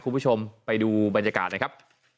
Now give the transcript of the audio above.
คุณผู้ชมไปดูบรรยากาศหน่อยครับ